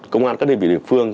công an các đơn vị địa phương